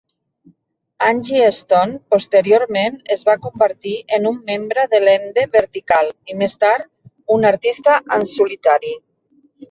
Angie Stone posteriorment es va convertir en un membre de l'emde vertical i més tard un artista en solitari.